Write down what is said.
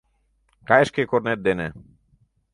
Кай шке корнет дене!